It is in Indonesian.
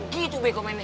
gitu be komennya